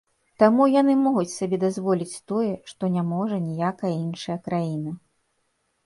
Таму яны могуць сабе дазволіць тое, што не можа ніякая іншая краіна.